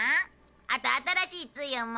あと新しいつゆも。